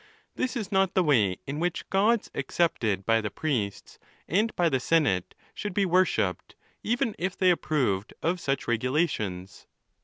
This is not the way in which gods accepted by the priests and by the senate should be worshipped, even if they approved of such regulations.